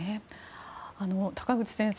高口先生